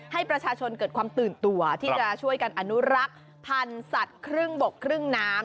ให้ประชาชนเกิดความตื่นตัวที่จะช่วยกันอนุรักษ์พันธุ์สัตว์ครึ่งบกครึ่งน้ำ